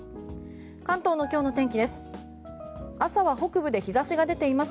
関東の今日の天気です。